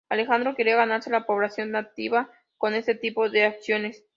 Alejandro quería ganarse a la población nativa con este tipo de acciones.